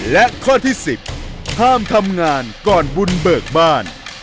และข้อที่๑๐ห้ามทำงานก่อนบุญเบิกบ้าน